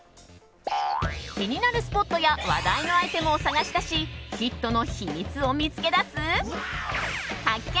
気になるスポットや話題のアイテムを探し出しヒットの秘密を見つけ出す発見！